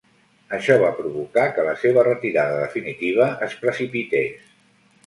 Això va provocar que la seva retirada definitiva es precipités.